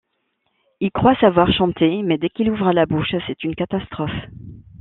Il croit savoir chanter mais dès qu'il ouvre la bouche c'est une catastrophe.